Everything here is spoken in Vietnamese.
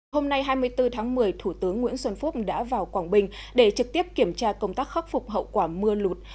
hôm nay hai mươi bốn tháng một mươi thủ tướng nguyễn xuân phúc đã vào quảng bình để trực tiếp kiểm tra công tác khắc phục hậu quả mưa lụt